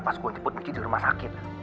pas gue nyebut michi di rumah sakit